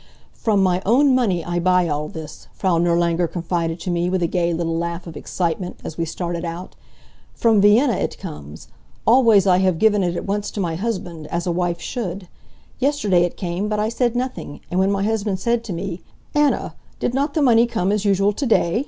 "From my own money I buy all this," Frau Nirlanger confided to me, with a gay little laugh of excitement, as we started out. "From Vienna it comes. Always I have given it at once to my husband, as a wife should. Yesterday it came, but I said nothing, and when my husband said to me, 'Anna, did not the money come as usual to day?